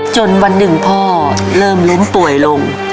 จนวันหนึ่งพ่อเริ่มล้มป่วยลง